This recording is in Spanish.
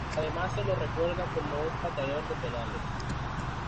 Además se lo recuerda como un pateador de penales.